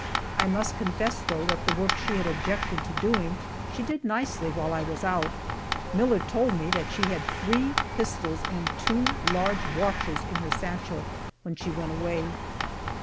I must confess, though, that the work she had objected to doing she did nicely while I was out. Miller told me that she had three pistols and two large watches in her satchel when she went away.